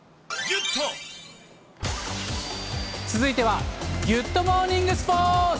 続いては、ギュッとモーニングスポーツ。